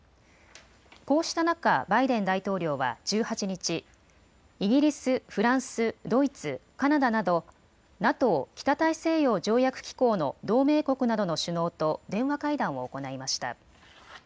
こうした中、バイデン大統領は１８日、イギリス、フランス、ドイツ、カナダなどＮＡＴＯ・北大西洋条約機構の同盟国などの首脳と電話会談を行いました。